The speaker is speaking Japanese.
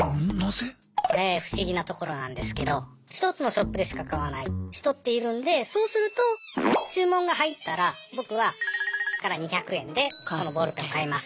これ不思議なところなんですけど一つのショップでしか買わない人っているんでそうすると注文が入ったら僕はさんから２００円でこのボールペンを買います。